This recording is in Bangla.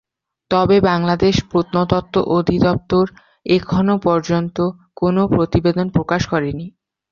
তবে বাংলাদেশ প্রত্নতত্ত্ব অধিদপ্তর এখনও পর্যন্ত কোনো প্রতিবেদন প্রকাশ করেনি।